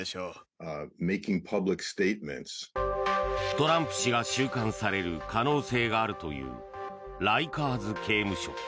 トランプ氏が収監される可能性があるというライカーズ刑務所。